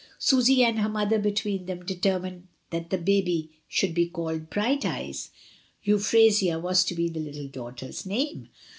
Susy and her mother between them de termined that the baby should be called bright eyes. Euphrasia was to be the little daughter's name.